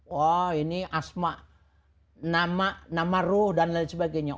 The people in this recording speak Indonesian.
wah ini asma nama ruh dan lain sebagainya